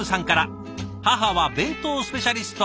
「母は弁当スペシャリスト」。